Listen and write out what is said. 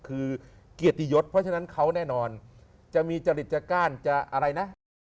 คือเกียรติยศเพราะฉะนั้นเขาแน่นอนจะมีจริตจก้านจะอะไรนะ